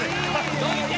どいて！